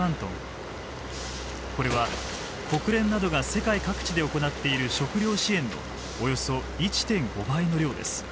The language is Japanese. これは国連などが世界各地で行っている食料支援のおよそ１．５倍の量です。